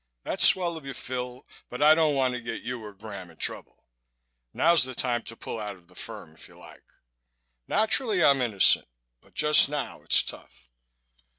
That's swell of you, Phil, but I don't want to get you or Graham in trouble. Now's the time to pull out of the firm if you like. Naturally I'm innocent but just now it's tough.